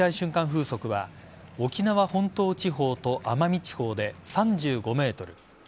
風速は沖縄本島地方と奄美地方で３５メートル